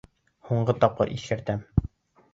Һуңғы тапҡыр иҫкәртәм!